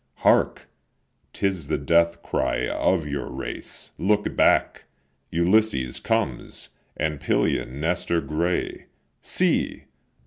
Hark! 'tis the death cry of your race! look back! Ulysses comes, and Pylian Nestor grey; See!